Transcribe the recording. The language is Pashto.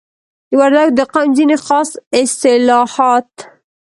د وردګو د قوم ځینی خاص اصتلاحات